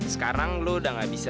sekarang lo udah gak bisa